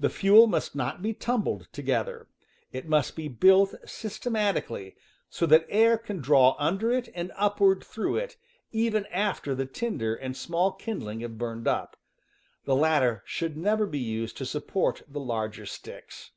Ihe luel must not be tumbled together; it must be built systernatically, so that air can draw under it and upward through it, even after the tinder and small kindling have burned up. The latter should never be used to support the larger sticks.